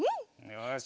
よし。